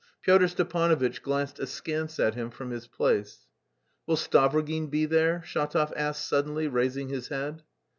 Pyotr Stepanovitch glanced askance at him from his place. "Will Stavrogin be there?" Shatov asked suddenly, raising his head.